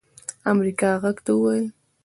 امريکا غږ ته وويل